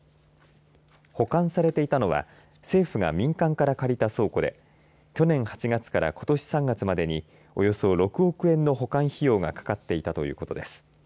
保管されていたのは政府が民間から借りた倉庫で去年８月から、ことし３月までにおよそ６億円の保管費用がかかっていたということです。